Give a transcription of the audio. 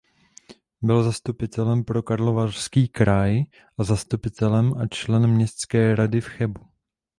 Byl zastupitelem pro Karlovarský kraj a zastupitelem a členem městské rady v Chebu.